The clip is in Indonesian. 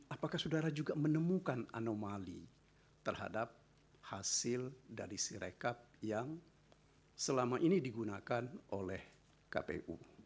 apakah saudara juga menemukan anomali terhadap hasil dari sirekap yang selama ini digunakan oleh kpu